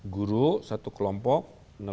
guru satu kelompok